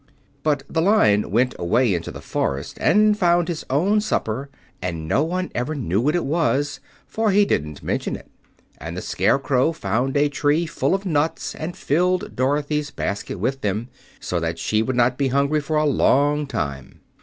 But the Lion went away into the forest and found his own supper, and no one ever knew what it was, for he didn't mention it. And the Scarecrow found a tree full of nuts and filled Dorothy's basket with them, so that she would not be hungry for a long time.